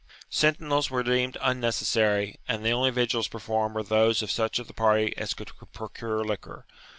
Sentinels were deemed unnecessary, and the only vigils performed were those of such of the party as could procure liquor.